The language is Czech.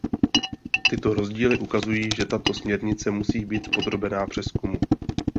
Tyto rozdíly ukazují, že tato směrnice musí být podrobena přezkumu.